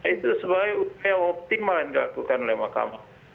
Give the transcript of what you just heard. itu sebagai upaya optimal yang dilakukan oleh mahkamah